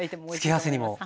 付け合わせにも？